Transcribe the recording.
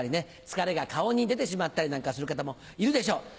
疲れが顔に出てしまったりなんかする方もいるでしょう。